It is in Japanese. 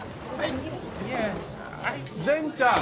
善ちゃん